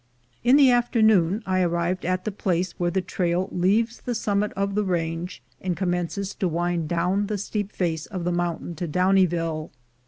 In the afternoon I arrived at the place where the trail leaves the summit of the range, and commences to wind down the steep face of the mountain to Downieville.